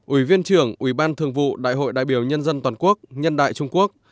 ủy viên thường vụ bộ chính trị ủy viên thường vụ đại hội đại biểu nhân dân toàn quốc nhân đại trung quốc